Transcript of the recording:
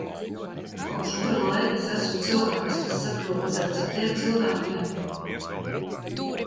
Kopš kura laika es esmu cilvēks, kas saprotas ar citiem cilvēkiem?